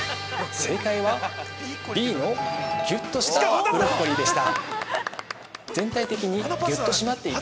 ◆正解は、Ｂのギュッとしたブロッコリーでした。